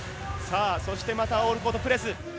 そしてまたオールコートプレス。